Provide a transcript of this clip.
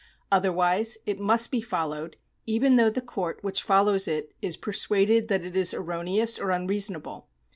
Other wise it must be followed, even though the court which fol lows it is persuaded that it is erroneous or unreasonable.